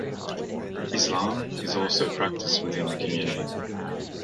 Islam is also practiced within the community.